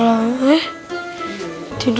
ini tayangnya dicocoknya taruhannya di setang deh